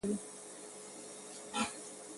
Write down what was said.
تعليم شوې نجونې د معلوماتو سم وېش ته کار کوي.